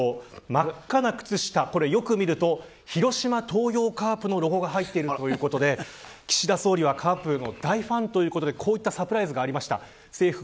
真っ赤な靴下、よく見ると広島東洋カープのロゴが入っているということで岸田総理はカープの大ファンということでこういったサプライズがありました。